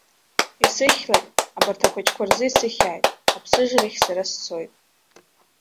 Исыхьлак, абарҭ ахәыҷқәа рзы исыхьааит, аԥсыжрахь сара сцоит.